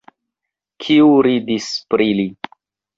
Kiu ridis pri li?